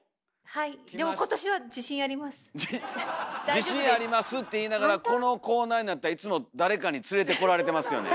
自信ありますって言いながらこのコーナーになったらいつも誰かに連れてこられてますよね。